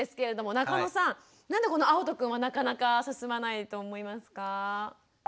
なんでこのあおとくんはなかなか進まないと思いますか？